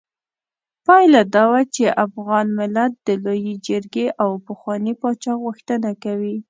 پايله دا وه چې افغان ملت د لویې جرګې او پخواني پاچا غوښتنه کوي.